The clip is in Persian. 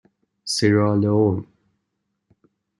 سیرالئون